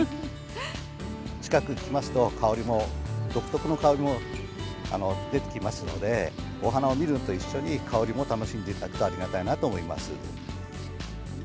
近くに来ますと、香りも、独特の香りも出てきますので、お花を見るのと一緒に、香りも楽しんでいただけたらありがたいなと思います。